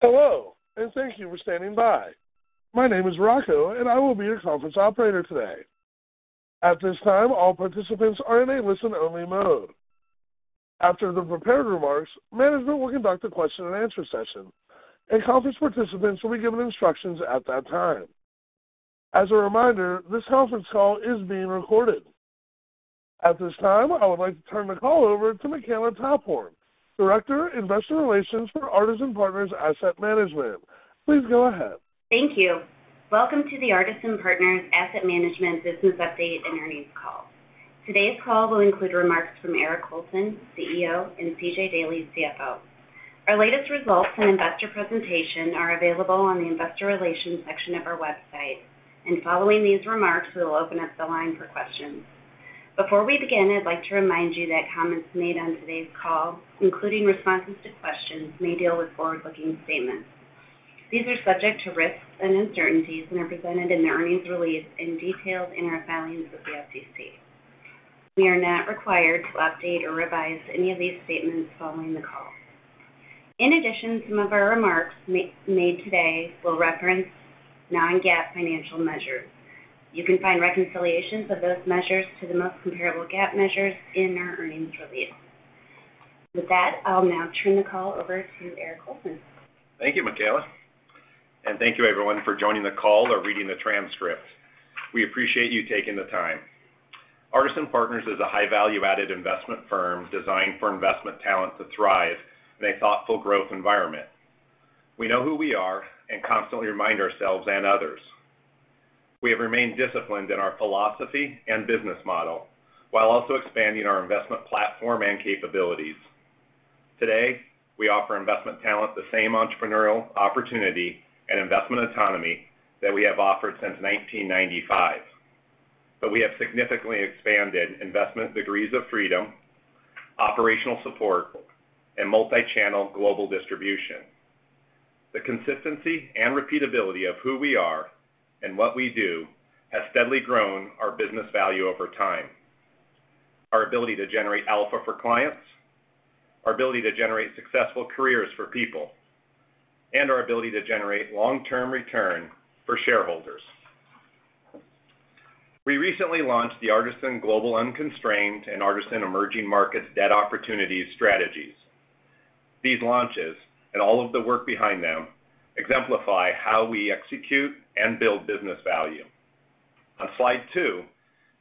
Hello, and thank you for standing by. My name is Rocco, and I will be your conference operator today. At this time, all participants are in a listen-only mode. After the prepared remarks, management will conduct a question-and-answer session, and conference participants will be given instructions at that time. As a reminder, this conference call is being recorded. At this time, I would like to turn the call over to Makela Taphorn, Director, Investor Relations for Artisan Partners Asset Management. Please go ahead. Thank you. Welcome to the Artisan Partners Asset Management Business Update Earnings Call. Today's call will include remarks from Eric Colson, CEO, and C.J. Daley, CFO. Our latest results and investor presentation are available on the investor relations section of our website. Following these remarks, we will open up the line for questions. Before we begin, I'd like to remind you that comments made on today's call, including responses to questions, may deal with forward-looking statements. These are subject to risks and uncertainties and are presented in the earnings release and detailed in our filings with the SEC. We are not required to update or revise any of these statements following the call. In addition, some of our remarks made today will reference non-GAAP financial measures. You can find reconciliations of those measures to the most comparable GAAP measures in our earnings release. With that, I'll now turn the call over to Eric Colson. Thank you, Makela. Thank you everyone for joining the call or reading the transcript. We appreciate you taking the time. Artisan Partners is a high value-added investment firm designed for investment talent to thrive in a thoughtful growth environment. We know who we are and constantly remind ourselves and others. We have remained disciplined in our philosophy and business model while also expanding our investment platform and capabilities. Today, we offer investment talent the same entrepreneurial opportunity and investment autonomy that we have offered since 1995. We have significantly expanded investment degrees of freedom, operational support, and multi-channel global distribution. The consistency and repeatability of who we are and what we do has steadily grown our business value over time, our ability to generate alpha for clients, our ability to generate successful careers for people, and our ability to generate long-term return for shareholders. We recently launched the Artisan Global Unconstrained and Artisan Emerging Markets Debt Opportunities strategies. These launches, and all of the work behind them, exemplify how we execute and build business value. On slide 2,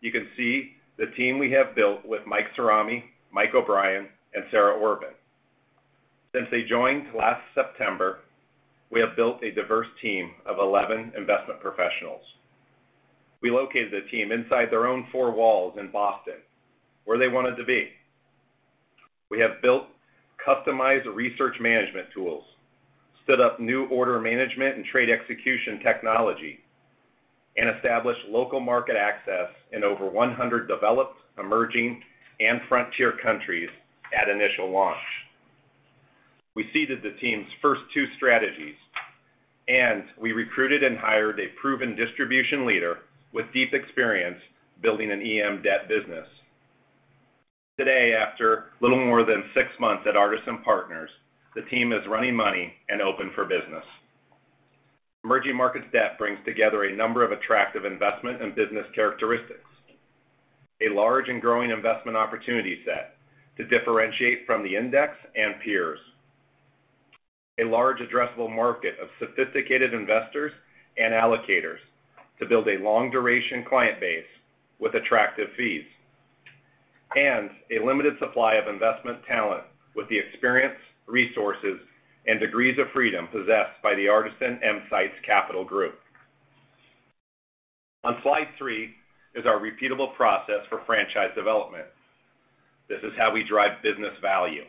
you can see the team we have built with Michael Cirami, Mike O'Brien, and Sarah Orvin. Since they joined last September, we have built a diverse team of 11 investment professionals. We located the team inside their own four walls in Boston, where they wanted to be. We have built customized research management tools, stood up new order management and trade execution technology, and established local market access in over 100 developed, emerging, and frontier countries at initial launch. We seeded the team's first two strategies, and we recruited and hired a proven distribution leader with deep experience building an EM debt business. Today, after a little more than six months at Artisan Partners, the team is running money and open for business. Emerging markets debt brings together a number of attractive investment and business characteristics, a large and growing investment opportunity set to differentiate from the index and peers. A large addressable market of sophisticated investors and allocators to build a long-duration client base with attractive fees. A limited supply of investment talent with the experience, resources, and degrees of freedom possessed by the Artisan EMsights Capital Group. On slide three is our repeatable process for franchise development. This is how we drive business value.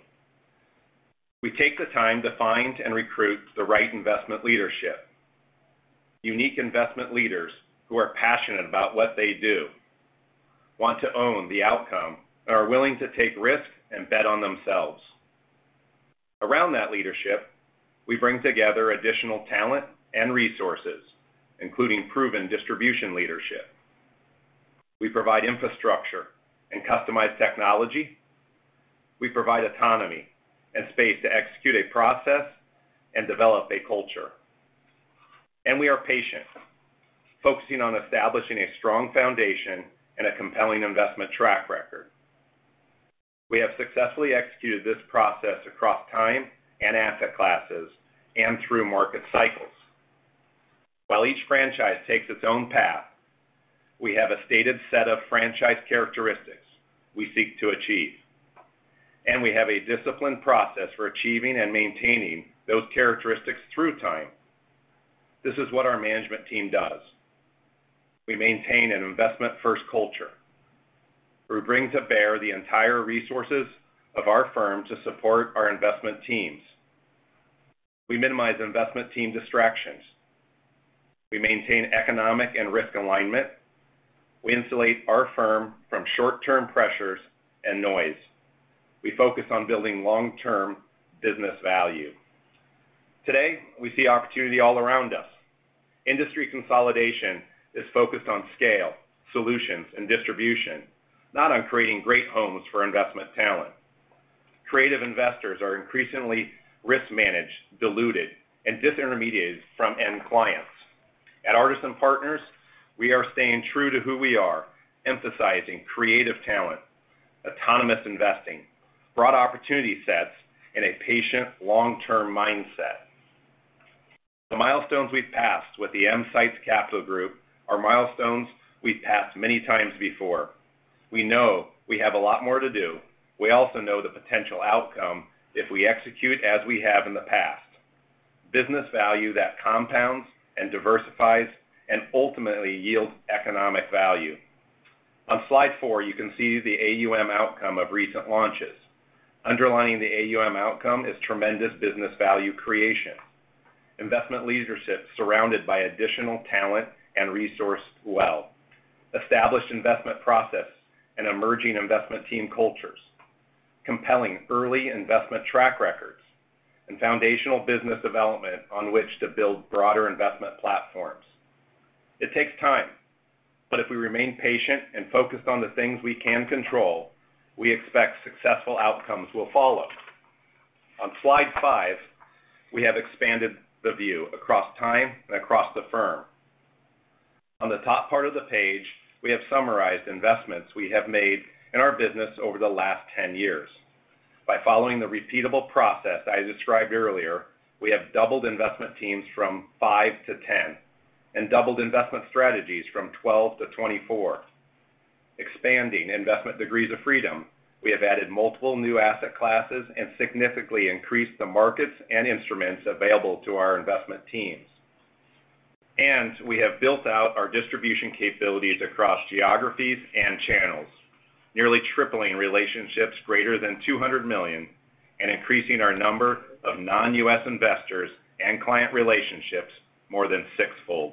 We take the time to find and recruit the right investment leadership. Unique investment leaders who are passionate about what they do want to own the outcome and are willing to take risks and bet on themselves. Around that leadership, we bring together additional talent and resources, including proven distribution leadership. We provide infrastructure and customized technology. We provide autonomy and space to execute a process and develop a culture. We are patient, focusing on establishing a strong foundation and a compelling investment track record. We have successfully executed this process across time and asset classes and through market cycles. While each franchise takes its own path, we have a stated set of franchise characteristics we seek to achieve, and we have a disciplined process for achieving and maintaining those characteristics through time. This is what our management team does. We maintain an investment-first culture. We bring to bear the entire resources of our firm to support our investment teams. We minimize investment team distractions. We maintain economic and risk alignment. We insulate our firm from short-term pressures and noise. We focus on building long-term business value. Today, we see opportunity all around us. Industry consolidation is focused on scale, solutions, and distribution, not on creating great homes for investment talent. Creative investors are increasingly risk managed, diluted, and disintermediated from end clients. At Artisan Partners, we are staying true to who we are, emphasizing creative talent, autonomous investing, broad opportunity sets, and a patient long-term mindset. The milestones we've passed with the EMsights Capital Group are milestones we've passed many times before. We know we have a lot more to do. We also know the potential outcome if we execute as we have in the past. Business value that compounds and diversifies and ultimately yields economic value. On slide 4, you can see the AUM outcome of recent launches. Underlining the AUM outcome is tremendous business value creation. Investment leadership surrounded by additional talent and resourced well. Established investment process and emerging investment team cultures. Compelling early investment track records and foundational business development on which to build broader investment platforms. It takes time, but if we remain patient and focused on the things we can control, we expect successful outcomes will follow. On slide 5, we have expanded the view across time and across the firm. On the top part of the page, we have summarized investments we have made in our business over the last 10 years. By following the repeatable process I described earlier, we have doubled investment teams from 5-10 and doubled investment strategies from 12-24. Expanding investment degrees of freedom, we have added multiple new asset classes and significantly increased the markets and instruments available to our investment teams. We have built out our distribution capabilities across geographies and channels, nearly tripling relationships greater than $200 million and increasing our number of non-U.S. investors and client relationships more than sixfold.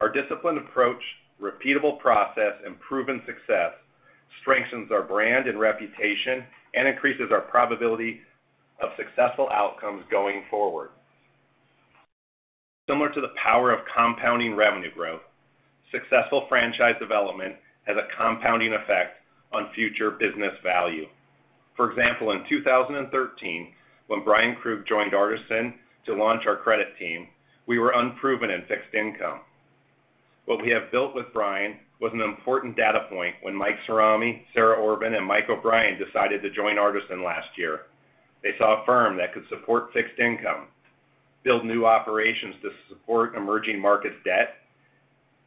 Our disciplined approach, repeatable process, and proven success strengthens our brand and reputation and increases our probability of successful outcomes going forward. Similar to the power of compounding revenue growth, successful franchise development has a compounding effect on future business value. For example, in 2013, when Bryan Krug joined Artisan to launch our credit team, we were unproven in fixed income. What we have built with Bryan was an important data point when Michael Cirami, Sarah Orvin, and Mike O'Brien decided to join Artisan last year. They saw a firm that could support fixed income, build new operations to support emerging markets debt,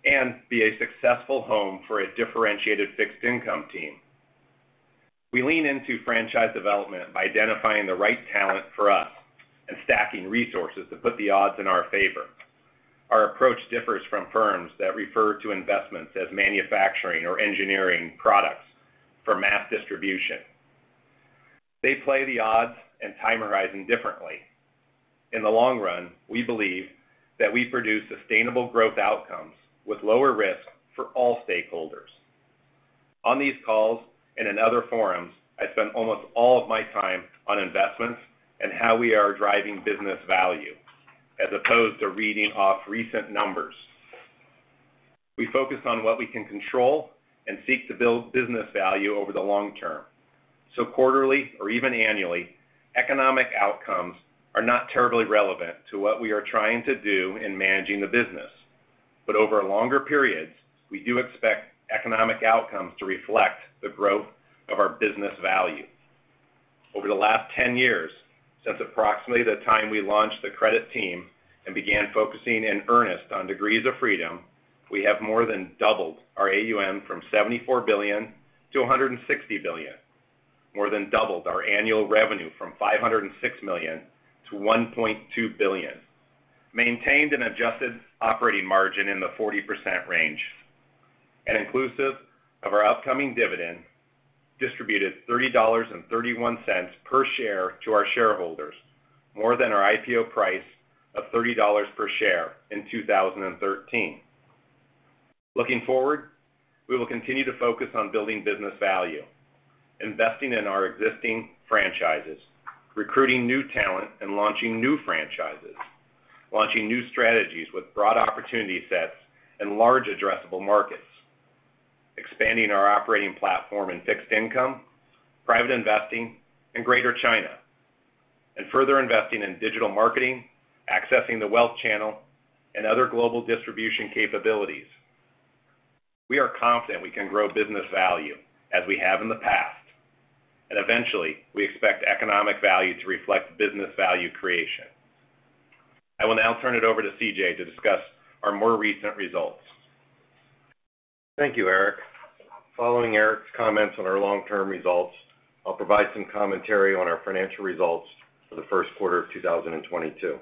and be a successful home for a differentiated fixed income team. We lean into franchise development by identifying the right talent for us and stacking resources to put the odds in our favor. Our approach differs from firms that refer to investments as manufacturing or engineering products for mass distribution. They play the odds and time horizon differently. In the long run, we believe that we produce sustainable growth outcomes with lower risk for all stakeholders. On these calls and in other forums, I spend almost all of my time on investments and how we are driving business value, as opposed to reading off recent numbers. We focus on what we can control and seek to build business value over the long term. Quarterly or even annually, economic outcomes are not terribly relevant to what we are trying to do in managing the business. Over longer periods, we do expect economic outcomes to reflect the growth of our business value. Over the last 10 years, since approximately the time we launched the credit team and began focusing in earnest on degrees of freedom, we have more than doubled our AUM from $74 billion to $160 billion, more than doubled our annual revenue from $506 million to $1.2 billion, maintained an adjusted operating margin in the 40% range, and inclusive of our upcoming dividend, distributed $30.31 per share to our shareholders, more than our IPO price of $30 per share in 2013. Looking forward, we will continue to focus on building business value, investing in our existing franchises, recruiting new talent, and launching new franchises, launching new strategies with broad opportunity sets and large addressable markets, expanding our operating platform in fixed income, private investing, and Greater China, and further investing in digital marketing, accessing the wealth channel, and other global distribution capabilities. We are confident we can grow business value as we have in the past, and eventually, we expect economic value to reflect business value creation. I will now turn it over to C.J. to discuss our more recent results. Thank you, Eric. Following Eric's comments on our long-term results, I'll provide some commentary on our financial results for the first quarter of 2022.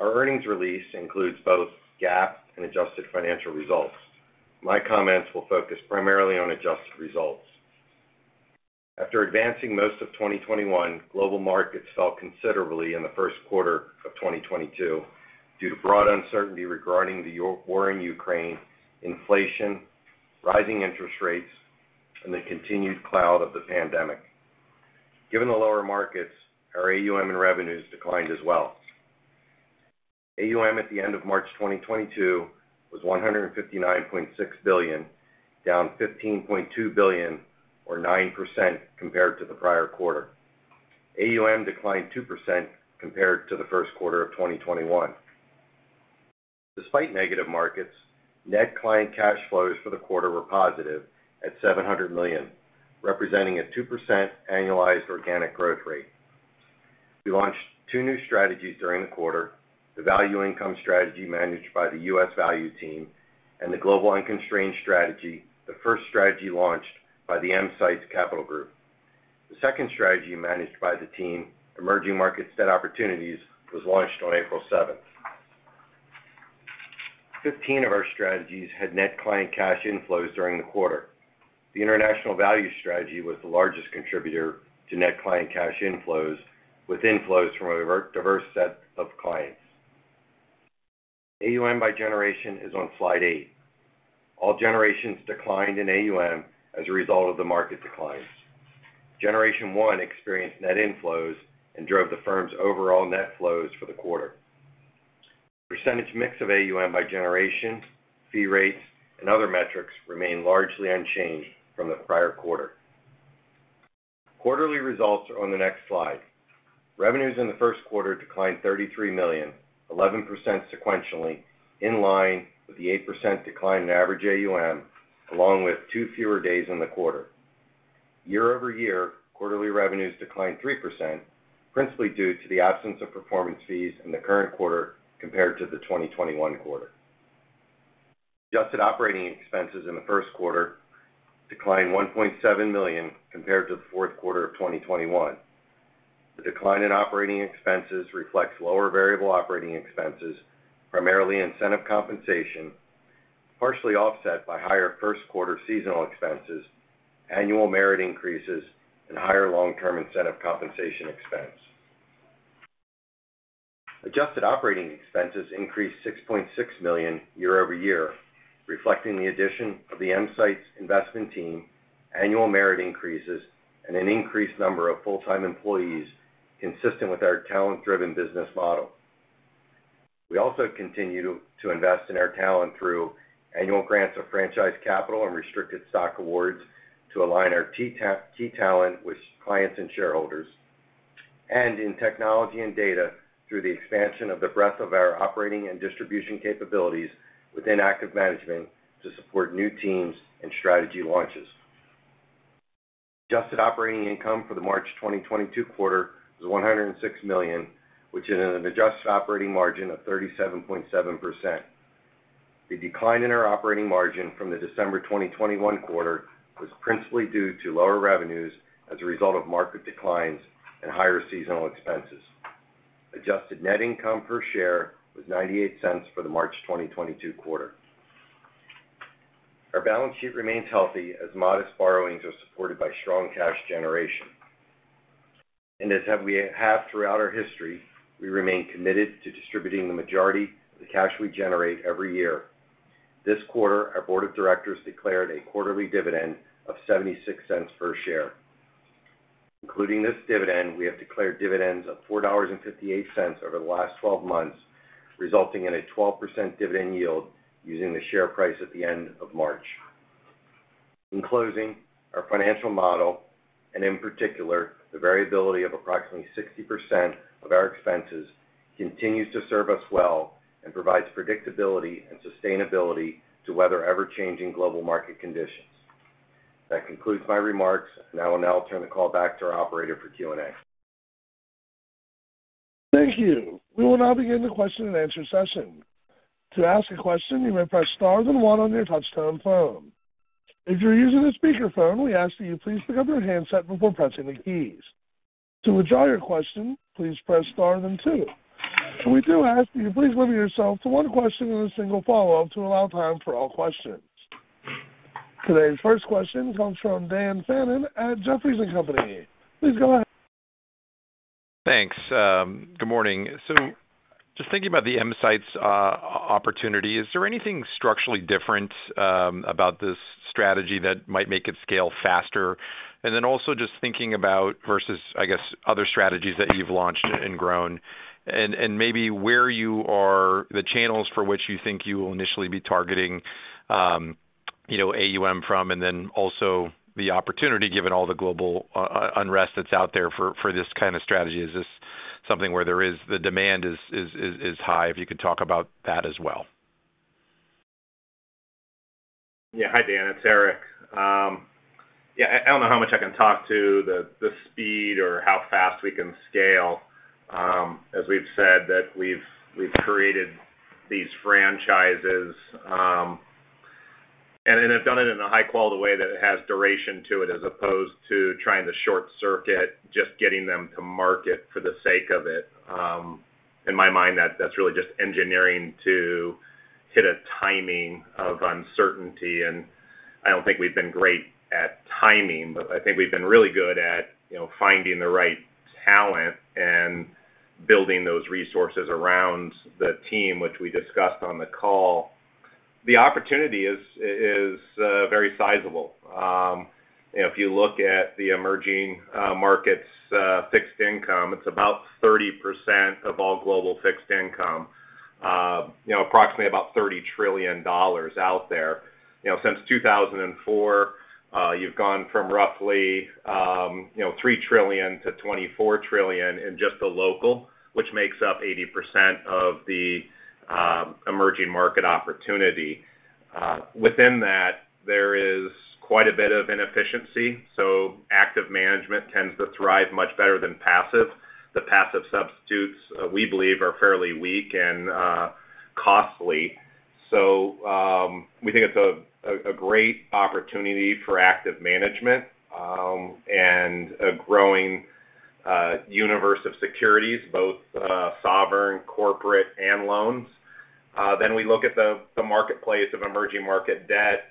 Our earnings release includes both GAAP and adjusted financial results. My comments will focus primarily on adjusted results. After advancing most of 2021, global markets fell considerably in the first quarter of 2022 due to broad uncertainty regarding the war in Ukraine, inflation, rising interest rates, and the continued cloud of the pandemic. Given the lower markets, our AUM and revenues declined as well. AUM at the end of March 2022 was $159.6 billion, down $15.2 billion or 9% compared to the prior quarter. AUM declined 2% compared to the first quarter of 2021. Despite negative markets, net client cash flows for the quarter were positive at $700 million, representing a 2% annualized organic growth rate. We launched two new strategies during the quarter, the Value Income Strategy managed by the U.S. Value Team and the Global Unconstrained Strategy, the first strategy launched by the EMsights Capital Group. The second strategy managed by the team, Emerging Markets Debt Opportunities, was launched on April seventh. 15 of our strategies had net client cash inflows during the quarter. The International Value Strategy was the largest contributor to net client cash inflows, with inflows from a diverse set of clients. AUM by generation is on slide 8. All generations declined in AUM as a result of the market declines. Generation One experienced net inflows and drove the firm's overall net flows for the quarter. Percentage mix of AUM by generation, fee rates, and other metrics remain largely unchanged from the prior quarter. Quarterly results are on the next slide. Revenues in the first quarter declined $33 million, 11% sequentially in line with the 8% decline in average AUM, along with 2 fewer days in the quarter. Year-over-year, quarterly revenues declined 3%, principally due to the absence of performance fees in the current quarter compared to the 2021 quarter. Adjusted operating expenses in the first quarter declined $1.7 million compared to the fourth quarter of 2021. The decline in operating expenses reflects lower variable operating expenses, primarily incentive compensation, partially offset by higher first quarter seasonal expenses, annual merit increases, and higher long-term incentive compensation expense. Adjusted operating expenses increased $6.6 million year-over-year, reflecting the addition of the EMsights investment team, annual merit increases, and an increased number of full-time employees consistent with our talent-driven business model. We also continue to invest in our talent through annual grants of franchise capital and restricted stock awards to align our key talent with clients and shareholders, and in technology and data through the expansion of the breadth of our operating and distribution capabilities within active management to support new teams and strategy launches. Adjusted operating income for the March 2022 quarter was $106 million, which is an adjusted operating margin of 37.7%. The decline in our operating margin from the December 2021 quarter was principally due to lower revenues as a result of market declines and higher seasonal expenses. Adjusted net income per share was $0.98 for the March 2022 quarter. Our balance sheet remains healthy as modest borrowings are supported by strong cash generation. As we have throughout our history, we remain committed to distributing the majority of the cash we generate every year. This quarter, our board of directors declared a quarterly dividend of $0.76 per share. Including this dividend, we have declared dividends of $4.58 over the last 12 months, resulting in a 12% dividend yield using the share price at the end of March. In closing, our financial model, and in particular, the variability of approximately 60% of our expenses, continues to serve us well and provides predictability and sustainability to weather ever-changing global market conditions. That concludes my remarks. I will now turn the call back to our operator for Q&A. Thank you. We will now begin the question and answer session. To ask a question, you may press star then one on your touchtone phone. If you're using a speaker phone, we ask that you please pick up your handset before pressing the keys. To withdraw your question, please press star then two. We do ask that you please limit yourself to one question and a single follow-up to allow time for all questions. Today's first question comes from Dan Fannon at Jefferies & Company. Please go ahead. Thanks. Good morning. Just thinking about the EMsights opportunity, is there anything structurally different about this strategy that might make it scale faster? Then also just thinking about versus, I guess, other strategies that you've launched and grown and maybe where you are the channels for which you think you will initially be targeting, you know, AUM from, and then also the opportunity given all the global unrest that's out there for this kind of strategy. Is this something where there is the demand is high? If you could talk about that as well. Yeah. Hi, Dan. It's Eric. Yeah, I don't know how much I can talk to the speed or how fast we can scale. As we've said that we've created these franchises, and then have done it in a high-quality way that it has duration to it as opposed to trying to short circuit, just getting them to market for the sake of it. In my mind, that's really just engineering to hit a timing of uncertainty, and I don't think we've been great at timing. I think we've been really good at, you know, finding the right talent. Building those resources around the team, which we discussed on the call. The opportunity is very sizable. If you look at the emerging markets' fixed income, it's about 30% of all global fixed income, you know, approximately about $30 trillion out there. You know, since 2004, you've gone from roughly, you know, $3 trillion to $24 trillion in just the local, which makes up 80% of the emerging market opportunity. Within that, there is quite a bit of inefficiency, so active management tends to thrive much better than passive. The passive substitutes, we believe are fairly weak and costly. We think it's a great opportunity for active management and a growing universe of securities, both sovereign, corporate, and loans. We look at the marketplace of emerging market debt.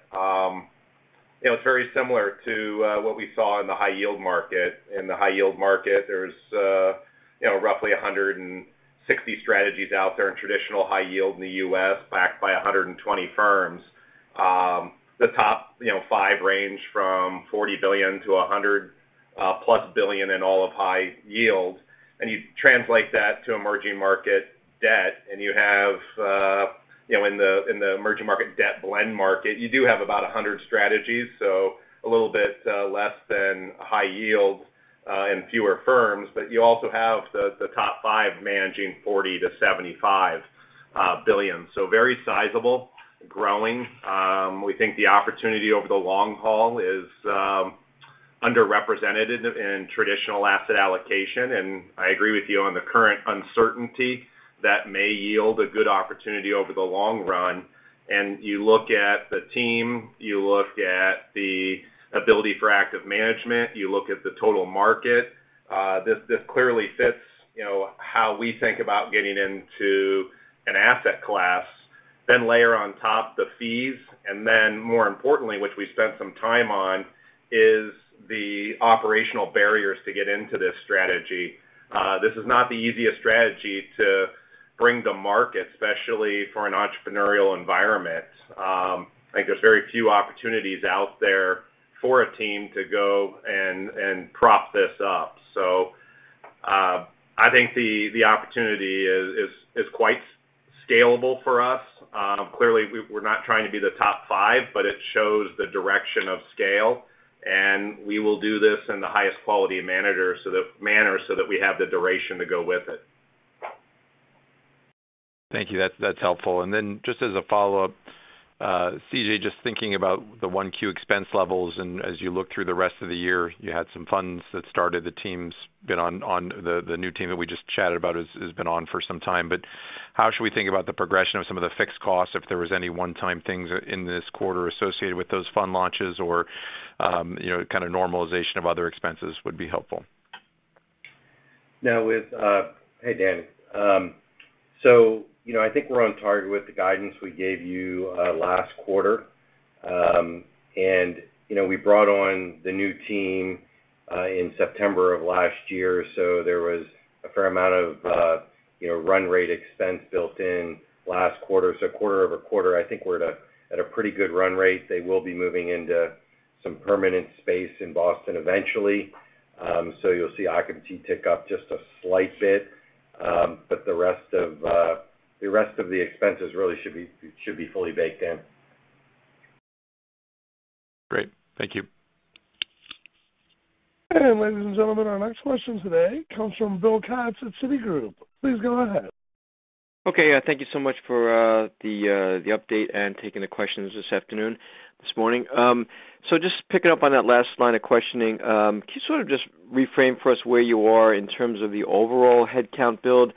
It was very similar to what we saw in the high yield market. In the high yield market, there's you know, roughly 160 strategies out there in traditional high yield in the U.S., backed by 120 firms. The top you know, five range from $40 billion-$100+ billion in all of high yield. You translate that to emerging market debt, and you have you know, in the emerging market debt blend market, you do have about 100 strategies, so a little bit less than high yield and fewer firms. You also have the top five managing $40 billion-$75 billion. Very sizable, growing. We think the opportunity over the long haul is underrepresented in traditional asset allocation. I agree with you on the current uncertainty that may yield a good opportunity over the long run. You look at the team, you look at the ability for active management, you look at the total market, this clearly fits, you know, how we think about getting into an asset class. Layer on top the fees, and then more importantly, which we spent some time on, is the operational barriers to get into this strategy. This is not the easiest strategy to bring to market, especially for an entrepreneurial environment. I think there's very few opportunities out there for a team to go and prop this up. I think the opportunity is quite scalable for us. Clearly we're not trying to be the top five, but it shows the direction of scale, and we will do this in the highest quality manner so that we have the duration to go with it. Thank you. That's helpful. Just as a follow-up, C.J., just thinking about the 1Q expense levels, and as you look through the rest of the year, you had some funds that started. The new team that we just chatted about has been on for some time. How should we think about the progression of some of the fixed costs, if there was any one-time things in this quarter associated with those fund launches or, you know, kind of normalization of other expenses would be helpful. Hey, Dan. You know, I think we're on target with the guidance we gave you last quarter. You know, we brought on the new team in September of last year, so there was a fair amount of you know, run rate expense built in last quarter. Quarter over quarter, I think we're at a pretty good run rate. They will be moving into some permanent space in Boston eventually. You'll see occupancy and technology tick up just a slight bit. The rest of the expenses really should be fully baked in. Great. Thank you. Ladies and gentlemen, our next question today comes from Bill Katz at Citigroup. Please go ahead. Okay. Thank you so much for the update and taking the questions this afternoon, this morning. Just picking up on that last line of questioning, can you sort of just reframe for us where you are in terms of the overall headcount build?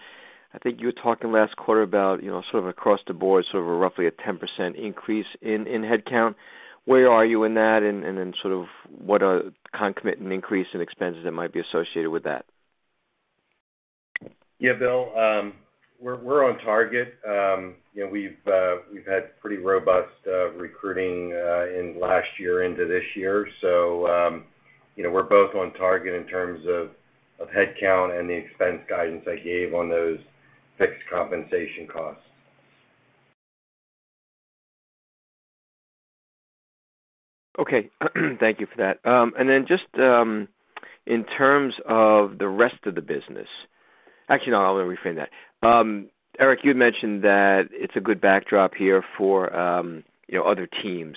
I think you were talking last quarter about, you know, sort of across the board, sort of a roughly 10% increase in headcount. Where are you in that? Sort of what concomitant increase in expenses that might be associated with that? Yeah, Bill, we're on target. You know, we've had pretty robust recruiting in last year into this year. You know, we're both on target in terms of headcount and the expense guidance I gave on those fixed compensation costs. Okay. Thank you for that. Eric, you had mentioned that it's a good backdrop here for, you know, other teams.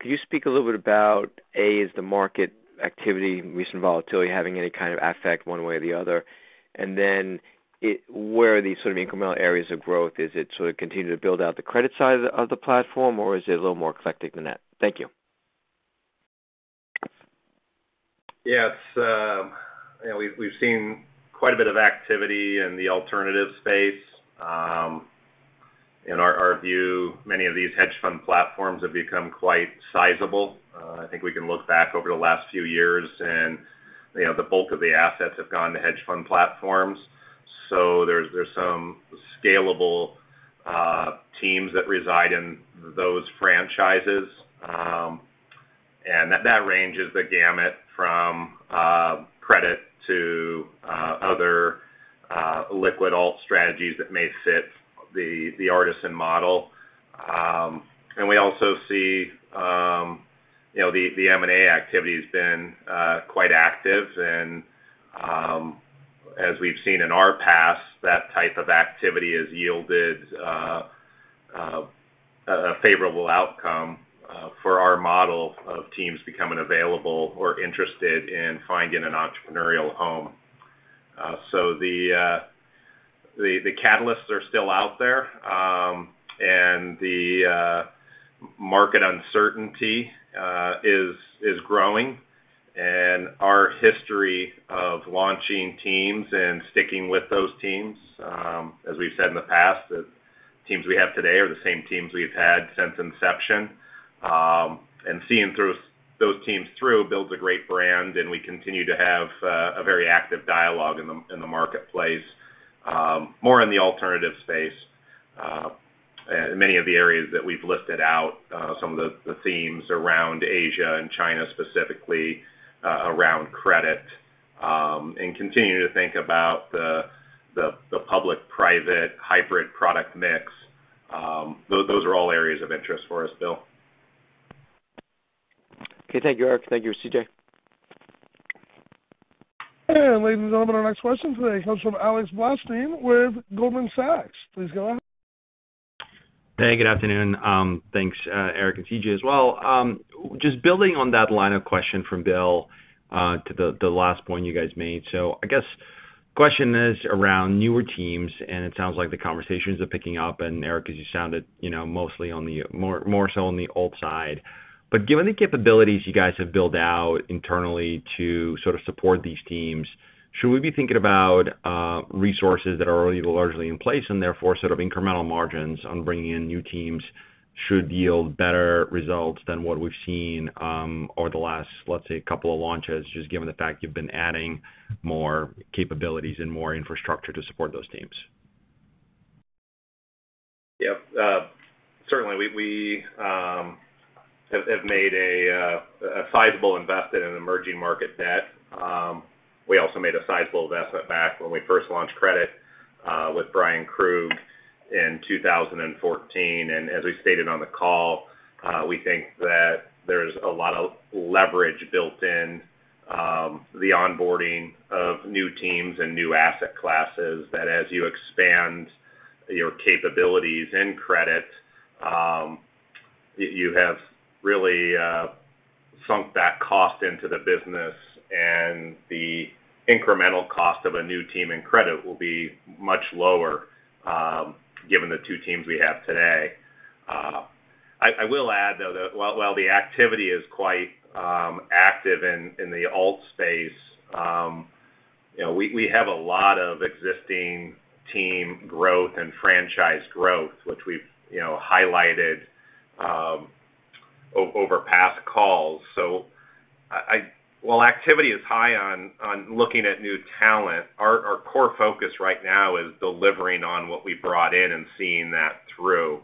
Could you speak a little bit about, A, is the market activity and recent volatility having any kind of effect one way or the other? Where are these sort of incremental areas of growth? Is it sort of continue to build out the credit side of the platform, or is it a little more eclectic than that? Thank you. Yes. You know, we've seen quite a bit of activity in the alternative space. In our view, many of these hedge fund platforms have become quite sizable. I think we can look back over the last few years and, you know, the bulk of the assets have gone to hedge fund platforms. So there's some scalable teams that reside in those franchises. That runs the gamut from credit to other liquid alt strategies that may fit the Artisan model. We also see, you know, the M&A activity has been quite active and, as we've seen in our past, that type of activity has yielded a favorable outcome for our model of teams becoming available or interested in finding an entrepreneurial home. The catalysts are still out there. The market uncertainty is growing. Our history of launching teams and sticking with those teams, as we've said in the past, the teams we have today are the same teams we've had since inception. Seeing those teams through builds a great brand, and we continue to have a very active dialogue in the marketplace, more in the alternative space, in many of the areas that we've listed out, some of the themes around Asia and China specifically, around credit, and continue to think about the public-private hybrid product mix. Those are all areas of interest for us, Bill. Okay. Thank you, Eric. Thank you, C.J. Ladies and gentlemen, our next question today comes from Alex Blostein with Goldman Sachs. Please go ahead. Hey, good afternoon. Thanks, Eric and C.J. as well. Just building on that line of question from Bill to the last point you guys made. I guess the question is around newer teams, and it sounds like the conversations are picking up. Eric, as you sounded, you know, mostly more so on the alt side. But given the capabilities you guys have built out internally to sort of support these teams, should we be thinking about resources that are already largely in place and therefore sort of incremental margins on bringing in new teams should yield better results than what we've seen over the last, let's say, couple of launches, just given the fact you've been adding more capabilities and more infrastructure to support those teams? Yeah. Certainly. We have made a sizable investment in emerging market debt. We also made a sizable investment back when we first launched credit with Bryan Krug in 2014. As we stated on the call, we think that there's a lot of leverage built in the onboarding of new teams and new asset classes that as you expand your capabilities in credit, you have really sunk that cost into the business and the incremental cost of a new team and credit will be much lower given the two teams we have today. I will add, though, that while the activity is quite active in the alt space, you know, we have a lot of existing team growth and franchise growth, which we've, you know, highlighted over past calls. While activity is high on looking at new talent, our core focus right now is delivering on what we brought in and seeing that through.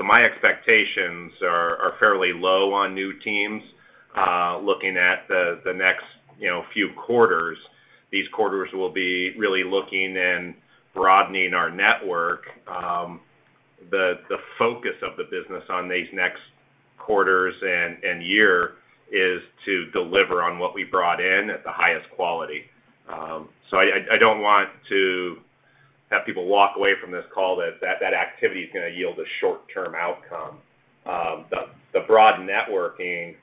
My expectations are fairly low on new teams looking at the next, you know, few quarters. These quarters will be really looking and broadening our network. The focus of the business on these next quarters and year is to deliver on what we brought in at the highest quality. I don't want to have people walk away from this call that activity is gonna yield a short-term outcome. The broad networking,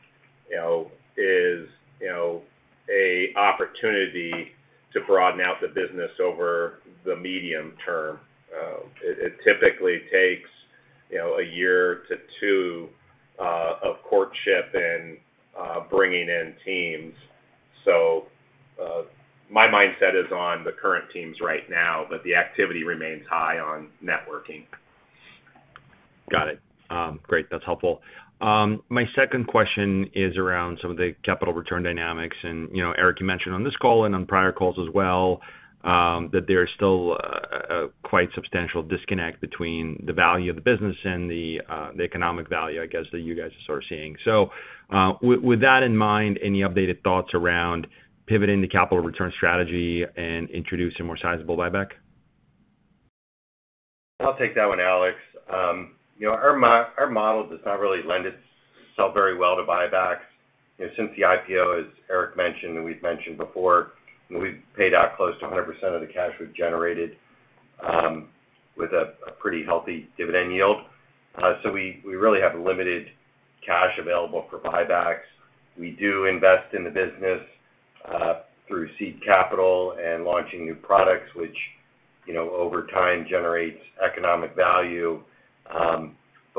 you know, is, you know, an opportunity to broaden out the business over the medium term. It typically takes, you know, a year to 2 of courtship and bringing in teams. My mindset is on the current teams right now, but the activity remains high on networking. Got it. Great. That's helpful. My second question is around some of the capital return dynamics. You know, Eric, you mentioned on this call and on prior calls as well, that there's still a quite substantial disconnect between the value of the business and the economic value, I guess, that you guys are sort of seeing. With that in mind, any updated thoughts around pivoting the capital return strategy and introducing more sizable buyback? I'll take that one, Alex. You know, our model does not really lend itself very well to buybacks. You know, since the IPO, as Eric mentioned, and we've mentioned before, we've paid out close to 100% of the cash we've generated, with a pretty healthy dividend yield. We really have limited cash available for buybacks. We do invest in the business through seed capital and launching new products, which, you know, over time generates economic value.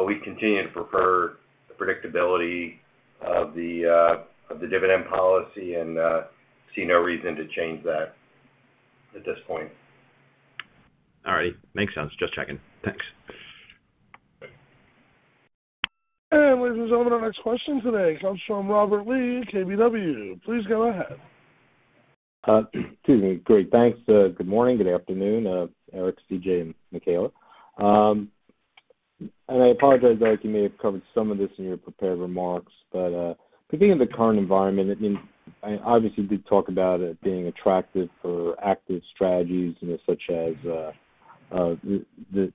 We continue to prefer the predictability of the dividend policy and see no reason to change that at this point. All right. Makes sense. Just checking. Thanks. Okay. Ladies and gentlemen, our next question today comes from Robert Lee, KBW. Please go ahead. Excuse me. Great. Thanks, good morning, good afternoon, Eric, C.J., and Makela. I apologize, Eric, you may have covered some of this in your prepared remarks, but could be in the current environment. I mean, and obviously, you did talk about it being attractive for active strategies, you know, such as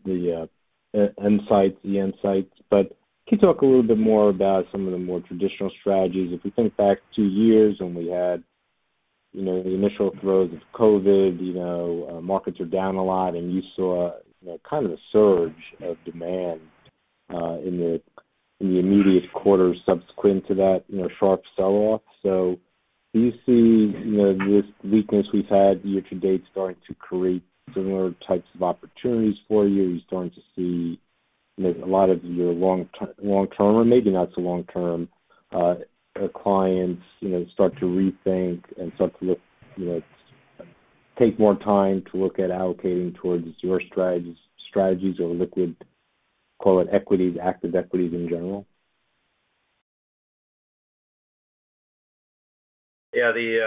the EMsights. Can you talk a little bit more about some of the more traditional strategies? If we think back two years when we had, you know, the initial throes of COVID, you know, markets are down a lot, and you saw, you know, kind of a surge of demand in the immediate quarter subsequent to that, you know, sharp sell-off. Do you see, you know, this weakness we've had year to date starting to create similar types of opportunities for you? Are you starting to see, you know, a lot of your long term, or maybe not so long term, clients, you know, start to rethink and start to look, you know, take more time to look at allocating towards your strategies or liquid, call it equities, active equities in general? Yeah. You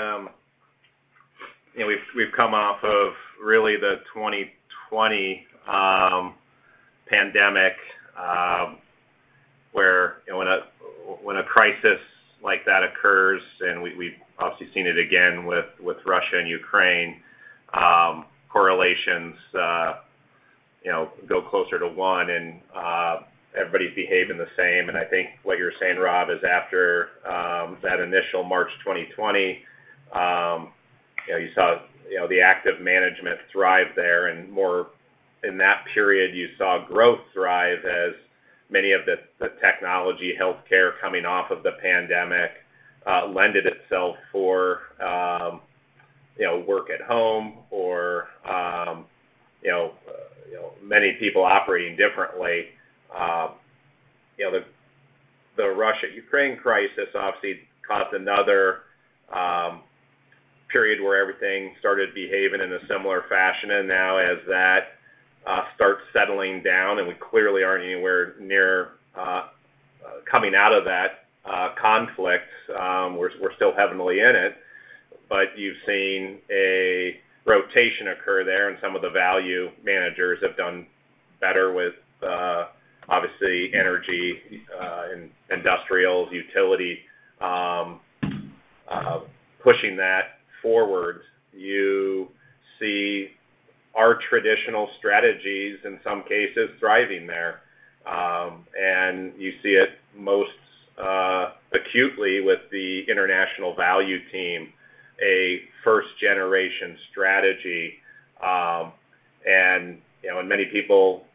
know, we've come off of really the 2020 pandemic, where you know, when a crisis like that occurs, and we've obviously seen it again with Russia and Ukraine, correlations you know, go closer to one, and everybody's behaving the same. I think what you're saying, Rob, is after that initial March 2020, you know, you saw you know, the active management thrive there. More in that period, you saw growth thrive as many of the technology, health care coming off of the pandemic lent itself for you know, work at home or you know, many people operating differently. You know, the Russia-Ukraine crisis obviously caused another period where everything started behaving in a similar fashion. Now as that starts settling down, and we clearly aren't anywhere near coming out of that conflict, we're still heavily in it. You've seen a rotation occur there, and some of the value managers have done better with obviously energy and industrials, utilities pushing that forward. You see our traditional strategies in some cases thriving there. You see it most acutely with the International Value Team, a first-generation strategy. You know, many people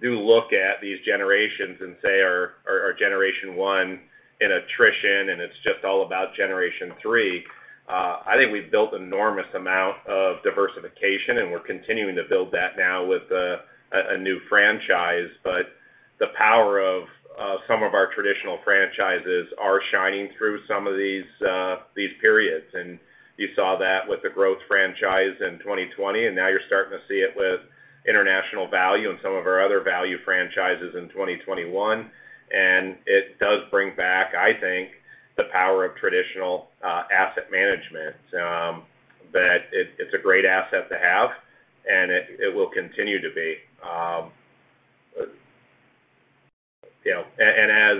do look at these generations and say are Generation One in attrition, and it's just all about Generation Three. I think we've built enormous amount of diversification, and we're continuing to build that now with a new franchise. The power of some of our traditional franchises are shining through some of these periods. You saw that with the growth franchise in 2020, and now you're starting to see it with International Value and some of our other value franchises in 2021. It does bring back, I think, the power of traditional asset management that it's a great asset to have, and it will continue to be. You know, as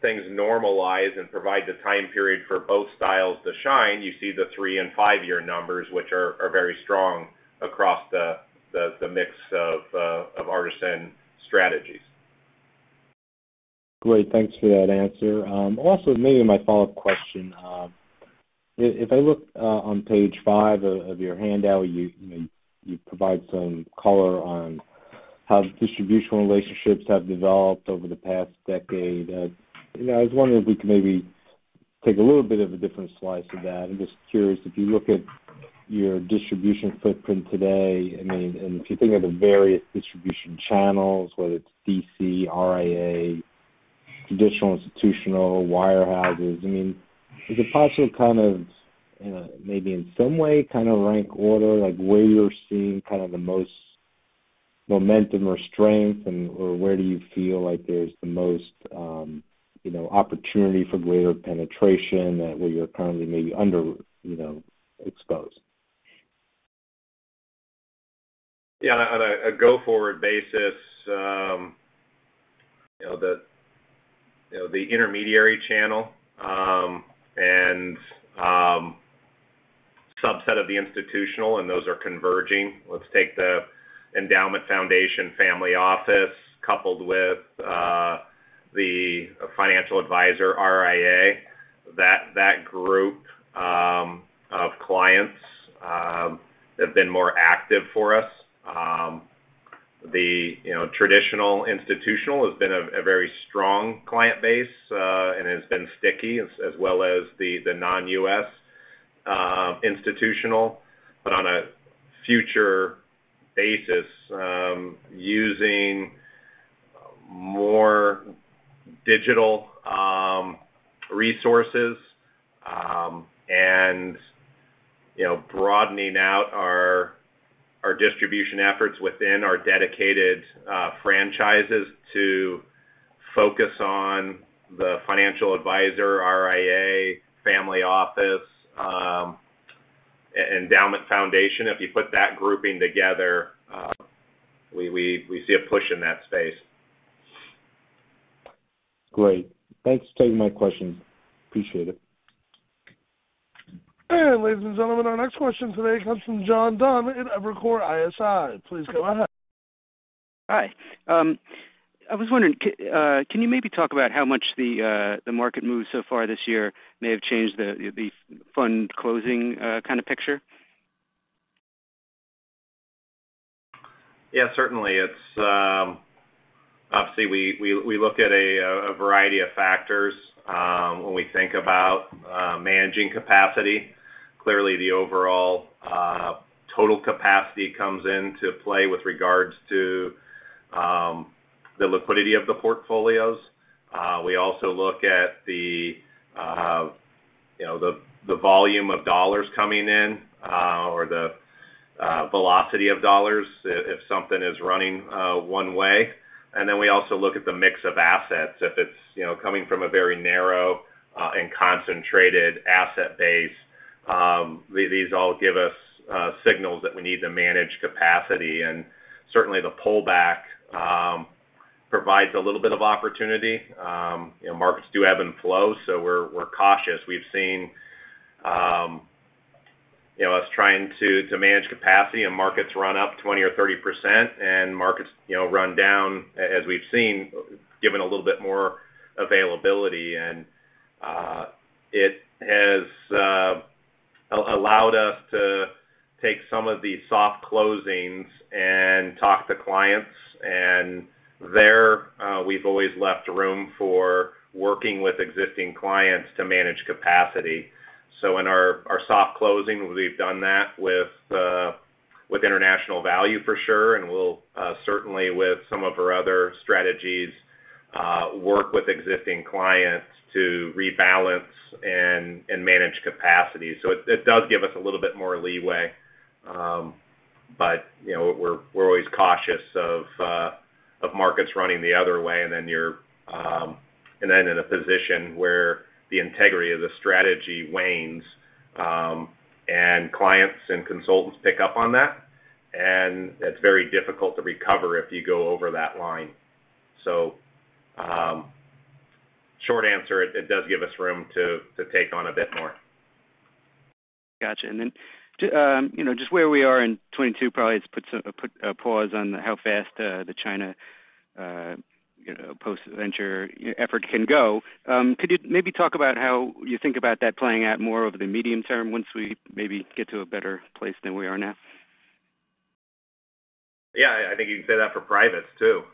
things normalize and provide the time period for both styles to shine, you see the 3 and 5-year numbers, which are very strong across the mix of Artisan strategies. Great. Thanks for that answer. Also maybe my follow-up question, if I look on page five of your handout, you know you provide some color on how the distribution relationships have developed over the past decade. You know, I was wondering if we could maybe take a little bit of a different slice of that. I'm just curious if you look at your distribution footprint today, I mean, and if you think of the various distribution channels, whether it's DC, RIA, traditional, institutional, wirehouses, I mean, is it possible to kind of maybe in some way kind of rank order, like, where you're seeing kind of the most momentum or strength or where do you feel like there's the most you know opportunity for greater penetration, where you're currently maybe under you know exposed? Yeah. On a go-forward basis, you know, the intermediary channel, and subset of the institutional and those are converging. Let's take the endowment foundation family office coupled with the financial advisor RIA. That group of clients have been more active for us. The, you know, traditional institutional has been a very strong client base, and has been sticky as well as the non-U.S. institutional. On a future basis, using more digital resources, and you know, broadening out our distribution efforts within our dedicated franchises to focus on the financial advisor, RIA, family office, endowment foundation. If you put that grouping together, we see a push in that space. Great. Thanks for taking my question. Appreciate it. Ladies and gentlemen, our next question today comes from John Dunn in Evercore ISI. Please go ahead. Hi. I was wondering, can you maybe talk about how much the market moves so far this year may have changed the fund closing kind of picture? Yeah, certainly. It's obvious we look at a variety of factors when we think about managing capacity. Clearly, the overall total capacity comes into play with regards to the liquidity of the portfolios. We also look at, you know, the volume of dollars coming in or the velocity of dollars if something is running one way. We also look at the mix of assets. If it's, you know, coming from a very narrow and concentrated asset base, these all give us signals that we need to manage capacity. Certainly the pullback provides a little bit of opportunity. You know, markets do ebb and flow, so we're cautious. We've seen us trying to manage capacity and markets run up 20% or 30% and markets run down as we've seen, given a little bit more availability. It has allowed us to take some of the soft closings and talk to clients. There, we've always left room for working with existing clients to manage capacity. In our soft closing, we've done that with International Value for sure, and we'll certainly with some of our other strategies work with existing clients to rebalance and manage capacity. It does give us a little bit more leeway. You know, we're always cautious of markets running the other way, and then you're in a position where the integrity of the strategy wanes, and clients and consultants pick up on that. It's very difficult to recover if you go over that line. Short answer, it does give us room to take on a bit more. Gotcha. Too, you know, just where we are in 2022 probably has put a pause on how fast the China, you know, post-venture effort can go. Could you maybe talk about how you think about that playing out more over the medium term once we maybe get to a better place than we are now? Yeah. I think you can say that for privates, too,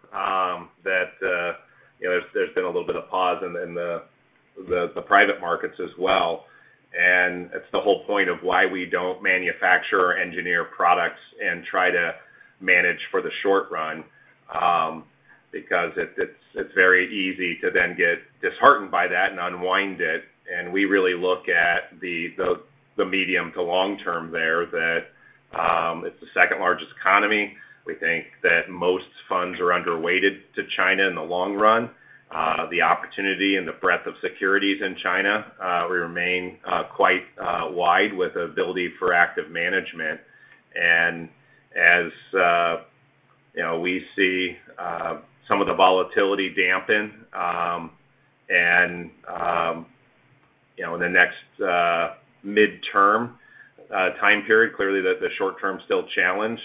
you know, there's been a little bit of pause in the private markets as well. It's the whole point of why we don't manufacture or engineer products and try to manage for the short run, because it's very easy to then get disheartened by that and unwind it. We really look at the medium to long term there that it's the second-largest economy. We think that most funds are underweighted to China in the long run. The opportunity and the breadth of securities in China remain quite wide with ability for active management. As you know, we see some of the volatility dampen, and you know, in the next midterm time period, clearly the short term is still challenged,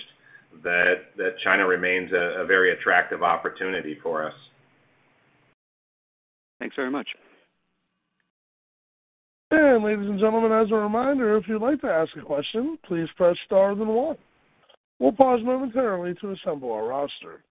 that China remains a very attractive opportunity for us. Thanks very much. Ladies and gentlemen, as a reminder, if you'd like to ask a question, please press star then one. We'll pause momentarily to assemble our roster.